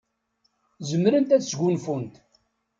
Zemrent ad sgunfunt.